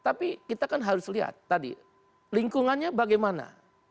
tapi kita kan harus lihat tadi lingkungannya bagaimana